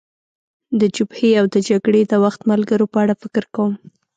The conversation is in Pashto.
د جبهې او د جګړې د وخت ملګرو په اړه فکر کوم.